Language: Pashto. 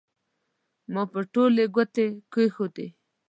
ما به ټولې ګوتې کېښودې.